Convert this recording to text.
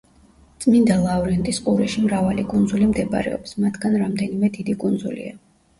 წმინდა ლავრენტის ყურეში მრავალი კუნძული მდებარეობს, მათგან რამდენიმე დიდი კუნძულია.